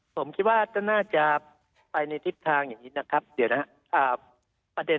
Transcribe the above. ผมคิดว่าก็น่าจะไปในทิศทางอย่างนี้นะครับเดี๋ยวนะครับ